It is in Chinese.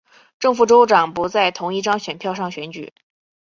正副州长不在同一张选票上选举。